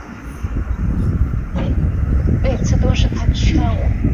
墨西哥地震预警系统采用异地预警模式。